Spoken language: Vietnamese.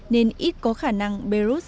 nên ít có khả năng beirut